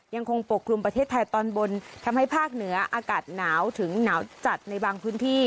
ปกคลุมประเทศไทยตอนบนทำให้ภาคเหนืออากาศหนาวถึงหนาวจัดในบางพื้นที่